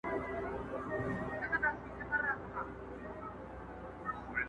o رقيب بې ځيني ورك وي يا بې ډېر نژدې قريب وي.